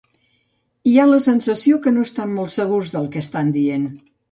Hi ha la sensació que no estan molt segurs del que estan dient.